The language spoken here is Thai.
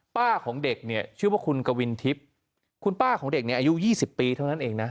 ของเด็กเนี่ยชื่อว่าคุณกวินทิพย์คุณป้าของเด็กเนี่ยอายุ๒๐ปีเท่านั้นเองนะ